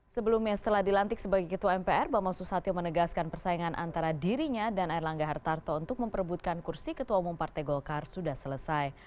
sebelumnya setelah dilantik sebagai ketua mpr bama susatyo menegaskan persaingan antara dirinya dan erlangga hartarto untuk memperebutkan kursi ketua umum partai golkar sudah selesai